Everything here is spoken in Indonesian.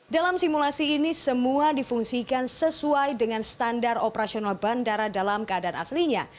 dalam simulasi ini semua difungsikan sesuai dengan standar operasional bandara dalam keadaan aslinya